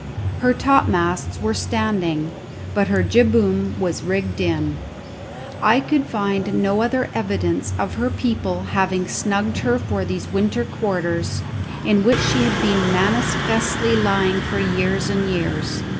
Her topmasts were standing, but her jibboom was rigged in. I could find no other evidence of her people having snugged her for these winter quarters, in which she had been manifestly lying for years and years.